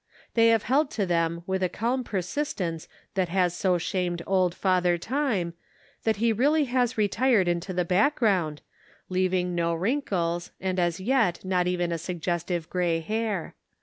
They have held to them with a calm persistence that has so shamed old Father Time that he really has retired into the backgroud, leaving no wrinkles and as yet not even a suggestive gray hair.